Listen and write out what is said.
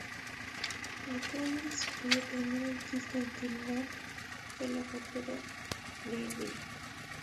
Recordings, cuya primer artista en firmar fue la rapera Rye Rye.